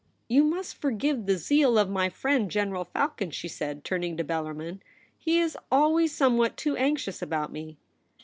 ^ You must forgive the zeal of my friend General Falcon,' she said, turning to Bellar min. ' He is always somewhat too anxious about me.'